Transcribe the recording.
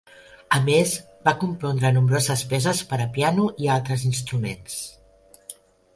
A més, va compondre nombroses peces per a piano i altres instruments.